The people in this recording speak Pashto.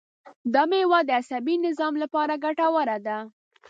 دا مېوه د عصبي نظام لپاره ګټوره ده.